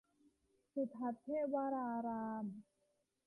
สุทัศน์เทพวราราม